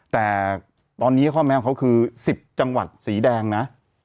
แต่ตอนนี้เขาคือ๑๐จังหวัดสีแดงนะ